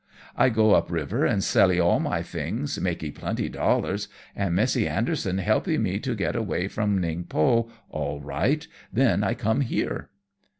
I go up river and sellee all my thing, makee plenty dollars, and Messee Anderson helpee me get away from Ningpo all right, then I come here."